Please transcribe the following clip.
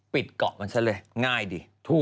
ปิดเกาะมันซะเลยง่ายดิ